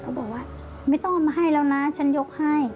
บอกว่าไม่ต้องเอามาให้แล้วนะฉันยกให้